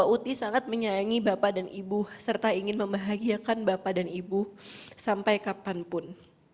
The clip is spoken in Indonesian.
uti sangat menyayangi bapak dan ibu serta ingin membahagiakan bapak dan ibu sampai kapanpun